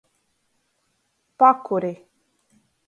Pakuri.